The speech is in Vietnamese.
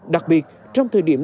đặc biệt trong thời điểm